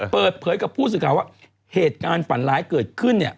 เปิดเผยกับผู้สื่อข่าวว่าเหตุการณ์ฝันร้ายเกิดขึ้นเนี่ย